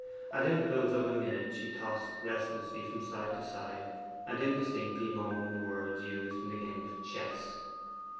At intervals of a minute she tossed restlessly from side to side, and indistinctly moaned words used in the game of chess.